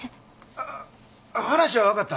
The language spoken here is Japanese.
ああ話は分かった。